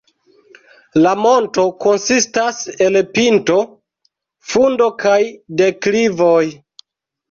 La monto konsistas el pinto, fundo kaj deklivoj.